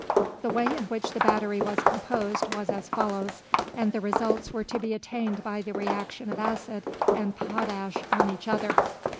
The way in which the battery was composed was as follows, and the results were to be attained by the reaction of acid and potash on each other.